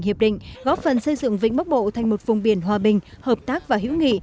hiệp định góp phần xây dựng vĩnh bắc bộ thành một vùng biển hòa bình hợp tác và hữu nghị